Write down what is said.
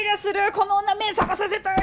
この女目覚まさせたい！